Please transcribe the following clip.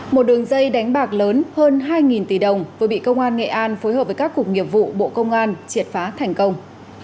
một đường dây đánh bạc lớn hơn hai tỷ đồng vừa bị công an nghệ an phối hợp với các cục nghiệp vụ bộ công an triệt phá thành công